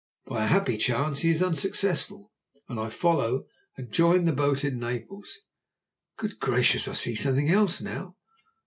By a happy chance he is unsuccessful, and I follow and join the boat in Naples. Good gracious! I see something else now."